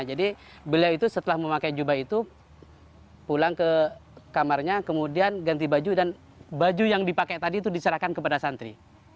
jadi beliau itu setelah memakai jubah itu pulang ke kamarnya kemudian ganti baju dan baju yang dipakai tadi itu diserahkan kepada santri